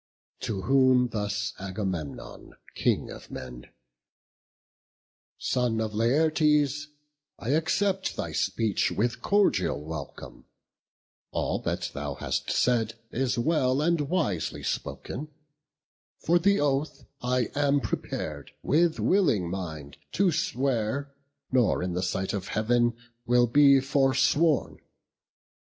To whom thus Agamemnon, King of men: "Son of Laertes, I accept thy speech With cordial welcome: all that thou hast said Is well and wisely spoken; for the oath, I am prepar'd, with willing mind, to swear; Nor in the sight of Heav'n will be forsworn.